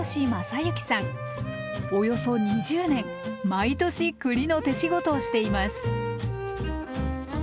およそ２０年毎年栗の手仕事をしています。